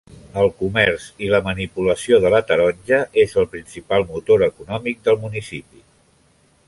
El comerç i la manipulació de la taronja és el principal motor econòmic del municipi.